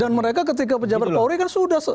dan mereka ketika pejabat kapolri kan sudah